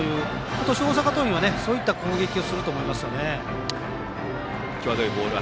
今年、大阪桐蔭はそういった攻撃をすると思います。